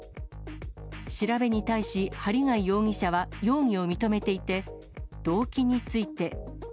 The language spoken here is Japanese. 調べに対し針谷容疑者は容疑を認めていて、動機について。